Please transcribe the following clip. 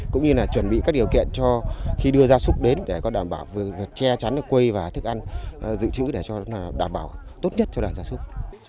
cũng như là chuẩn bị các điều kiện cho khi đưa gia súc đến để có đảm bảo việc che chắn nước quây và thức ăn dự trữ để cho đảm bảo tốt nhất cho đàn gia súc